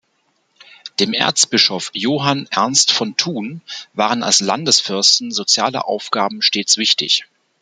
Dem Erzbischof Johann Ernst von Thun waren als Landesfürsten soziale Aufgaben stets wichtig.